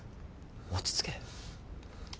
落ち着け。